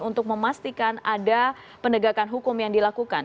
untuk memastikan ada penegakan hukum yang dilakukan